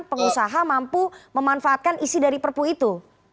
pengusaha mampu memanfaatkan isi dari perpu itu